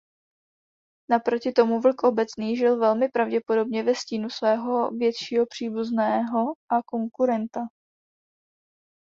Naproti tomu vlk obecný žil velmi pravděpodobně ve stínu svého většího příbuzného a konkurenta.